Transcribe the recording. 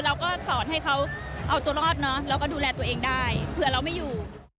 เราก็สอนให้เขาเอาตัวรอดเนอะแล้วก็ดูแลตัวเองได้เผื่อเราไม่อยู่